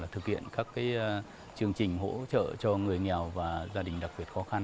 thực hiện các chương trình hỗ trợ cho người nghèo và gia đình đặc biệt khó khăn